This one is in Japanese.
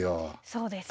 そうですね。